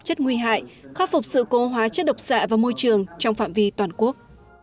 chất nguy hại khắc phục sự cố hóa chất độc xạ và môi trường trong phạm vi toàn quốc